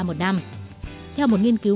một năm theo một nghiên cứu